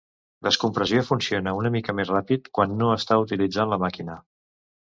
Descompressió funciona una mica més ràpid quan no està utilitzant la màquina.